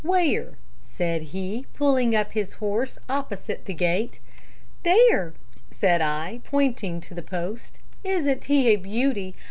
"'Where?' said he, pulling up his horse opposite the gate. "'There,' said I, pointing to the post. 'Isn't he a beauty?